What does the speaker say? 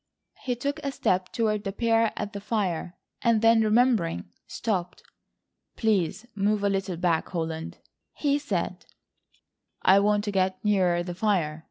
He took a step toward the pair at the fire, and then remembering, stopped. "Please move a little back, Holland," he said, "I want to get nearer the fire.